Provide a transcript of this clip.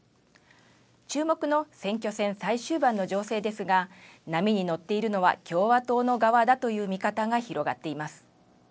注目の選挙戦最終盤の情勢ですが波に乗っているのは共和党の側だという見方が広がっています。